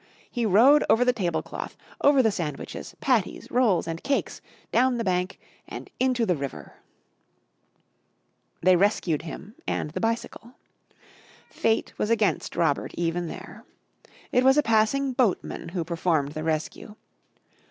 He rode over the table cloth, over the sandwiches, patties, rolls and cakes, down the bank and into the river. They rescued him and the bicycle. Fate was against Robert even there. It was a passing boatman who performed the rescue.